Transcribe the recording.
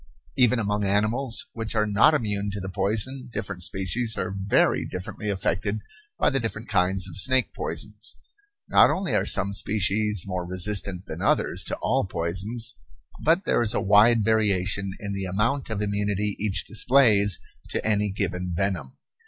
Even among animals which are not immune to the poison different species are very differently affected by the different kinds of snake poisons. Not only are some species more resistant than others to all poisons, but there is a wide variation in the amount of immunity each displays to any given venom.